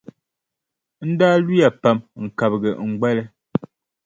N daa luya pam n-kabigi n gbali.